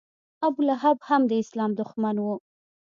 ابولهب هم د اسلام دښمن و.